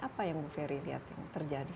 apa yang bu ferry lihat yang terjadi